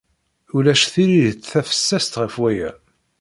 Ulac tiririt tafessast ɣef waya.